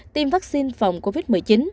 tiêm vaccine phòng covid một mươi chín